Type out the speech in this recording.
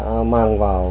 đã mang vào